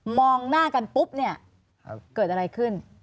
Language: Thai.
หน้ากันปุ๊บเนี่ยเกิดอะไรขึ้น